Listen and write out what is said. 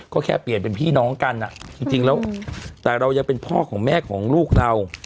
ก็แค่เปลี่ยนเป็นพี่น้องกันจริงแล้วแต่เรายังเป็นพ่อของแม่ของลูกเรา